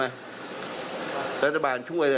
การช่วย๕๐เปอร์เซ็นต์ช่วยทั้งหมด